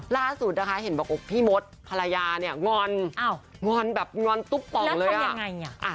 ล่าสุดนะคะเห็นบอกพี่มดภรรยาเนี่ยงอนงอนแบบงอนตุ๊บป่องเลยอ่ะยังไงอ่ะ